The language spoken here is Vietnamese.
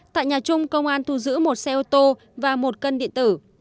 tại nhà trung công an thu giữ một xe ô tô và một cân điện tử